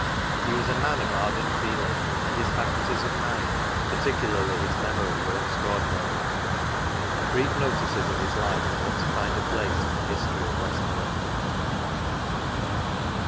He was a man of ardent feeling, and his faculties of mind, particularly his memory, were extraordinary. Brief notices of his life ought to find a place in the History of Westmorland.